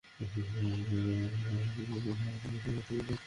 হ্যাঁ, এক মিনিটের জন্য।